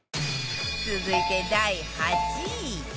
続いて第８位